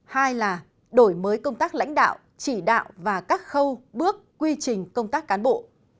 hai là đổi mới công tác lãnh đạo chỉ đạo và các khâu bước quy trình công tác cán bộ